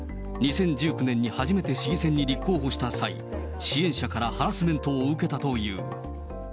２０１９年に初めて市議選に立候補した際、支援者からハラスメントを受けたという。